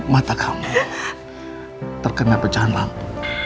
mata kamu terkena pecahan lampu